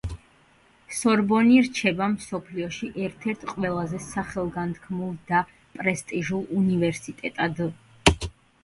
სორბონი რჩება მსოფლიოში ერთ-ერთ ყველაზე სახელგანთქმულ და პრესტიჟულ უნივერსიტეტად.